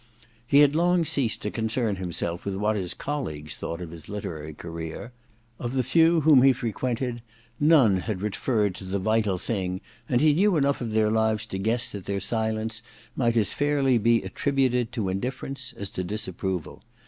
He had long ceased to concern himself with what his colleagues thought of his literary career. Of the few whom he frequented, none had referred to * The Vital Thing *; and he knew enough of their lives to guess that their silence mignt as fairly be attributed to indifference as to disapproval.